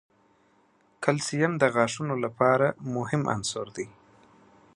کلسیم د غاښونو لپاره مهم عنصر دی.